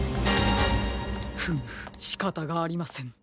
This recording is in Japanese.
フムしかたがありません。